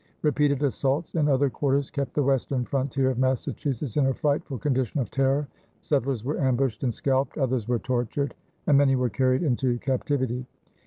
Repeated assaults in other quarters kept the western frontier of Massachusetts in a frightful condition of terror; settlers were ambushed and scalped, others were tortured, and many were carried into captivity.